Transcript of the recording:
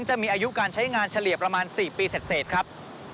จะมีอายุการใช้งานเฉลี่ยประมาณ๔ปีเสร็จครับ